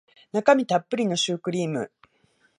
中身たっぷりのシュークリーム